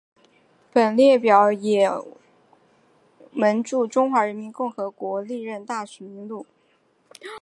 本列表为也门驻中华人民共和国历任大使名录。